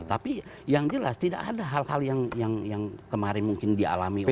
tapi yang jelas tidak ada hal hal yang kemarin mungkin dialami oleh